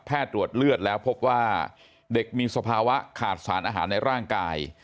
ตรวจเลือดแล้วพบว่าเด็กมีสภาวะขาดสารอาหารในร่างกาย